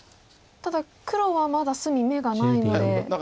ただ黒はまだ隅眼がないので。